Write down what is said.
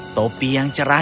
topi yang cerah